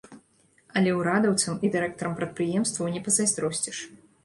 Але ўрадаўцам і дырэктарам прадпрыемстваў не пазайздросціш.